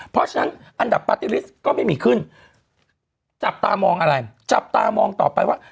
เพราะฉะนั้นอันดับปาร์ตี้ลิสต์ก็ไม่มีขึ้นจับตามองอะไรจับตามองต่อไปว่า